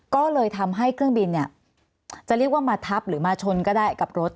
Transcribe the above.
ก็เลยทำให้เครื่องบินเนี่ยจะเรียกว่ามาทับหรือมาชนก็ได้กับรถ